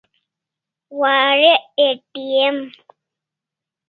Warek ATM